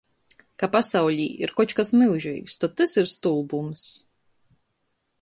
Ka pasaulī ir koč kas myužeigs, tod tys ir stulbums.